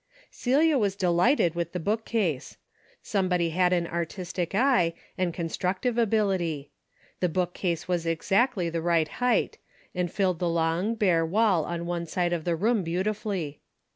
Celia was delighted with the bookcase. Somebody had an artistic eye and construc tive ability. The bookcase was exactly the right height, and filled the long bare wall on one side of the room beautifully.